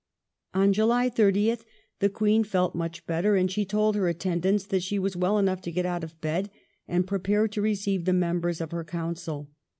On July 30 the Queen felt much better, and she told her attendants that she was well enough to get out of bed and prepare to receive the members of her Council.